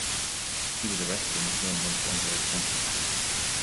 He was arrested in the same month for underage drinking.